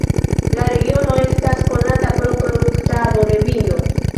La regiono estas konata pro produktado de vino.